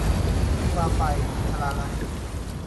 วิวาห์ไฟ - ชลาลัย